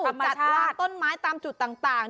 ผมจัดวางต้นไม้ตามจุดต่าง